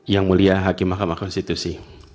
yang mulia hakim mahkamah konstitusi